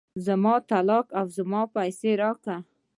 زما طلاق او زما پيسې راکه.